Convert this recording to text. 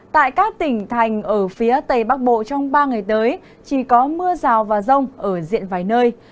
tại các tỉnh thành ở phía tây bắc bộ trong ba ngày tới chỉ có mưa rào và rông ở diện vài nơi